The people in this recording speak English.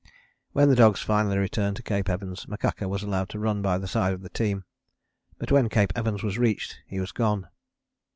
When the dogs finally returned to Cape Evans, Makaka was allowed to run by the side of the team; but when Cape Evans was reached he was gone.